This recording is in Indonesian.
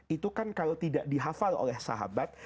itu kan kalau tidak dihafal oleh sahabat